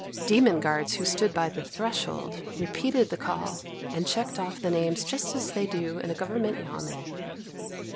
Demon guards who stood by the threshold repeated the call and checked off the names just as they do in a government yamen.